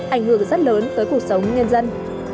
ảnh hưởng rất lớn tới cuộc sống nhân dân